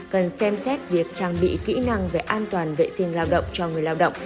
cần xem xét việc trang bị kỹ năng về an toàn vệ sinh lao động cho người lao động